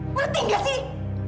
ngerti gak sih